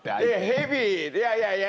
蛇いやいやいや。